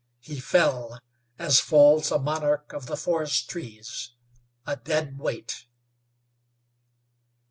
He fell, as falls a monarch of the forest trees, a dead weight.